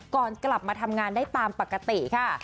กลับมาทำงานได้ตามปกติค่ะ